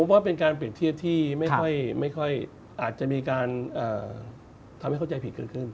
ผมว่าเป็นการเปรียบเทียบที่ไม่ค่อยอาจจะมีการทำให้เข้าใจผิดเกิดขึ้น